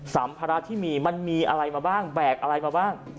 สัมภาระที่มีมันมีอะไรมาบ้างแบกอะไรมาบ้าง